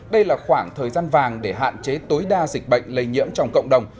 đây là khoảng thời gian vàng để hạn chế tối đa dịch bệnh lây nhiễm trong cộng đồng